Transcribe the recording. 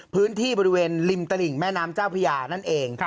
พื้นที่บริเวณริมตลิ่งแม่น้ำเจ้าพญานั่นเอง